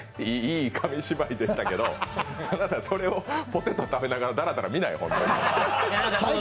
いい紙芝居でしたけど、あなた、それをポテト食べながらだらだら見ない！